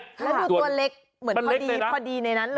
แล้วดูตัวเล็กเหมือนพอดีในนั้นเลย